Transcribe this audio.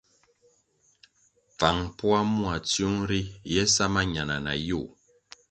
Pfang mpoa mua tsiung ri ye sa mañana na yoh.